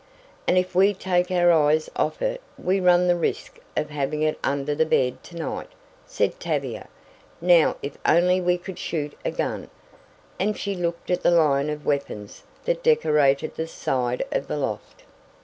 "And if we take our eyes off it we run the risk of having it under the bed to night," said Tavia. "Now if only we could shoot a gun," and she looked at the line of weapons that decorated the side of the loft.